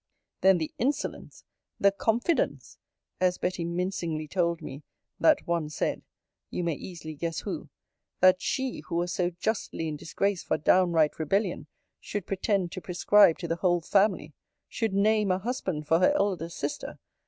Then the insolence the confidence [as Betty mincingly told me, that one said; you may easily guess who] that she, who was so justly in disgrace for downright rebellion, should pretend to prescribe to the whole family! Should name a husband for her elder sister!